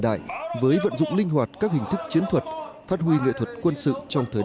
đại với vận dụng linh hoạt các hình thức chiến thuật phát huy nghệ thuật quân sự trong thời